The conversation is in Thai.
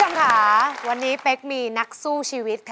รายการต่อไปนี้เป็นรายการทั่วไปสามารถรับชมได้ทุกวัย